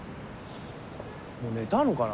もう寝たのかな？